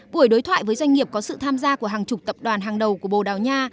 buổi đối thoại với doanh nghiệp có sự tham gia của hàng chục tập đoàn hàng đầu của bồ đào nha